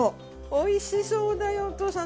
美味しそうだよお父さん！